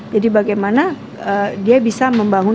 bagaimana dia bisa membangun